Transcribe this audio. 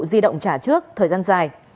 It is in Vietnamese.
di động trả trước thời gian dài